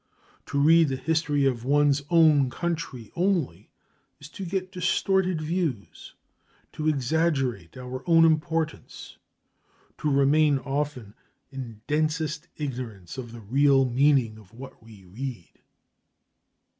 To read the history of one's own country only is to get distorted views, to exaggerate our own importance, to remain often in densest ignorance of the real meaning of what we read.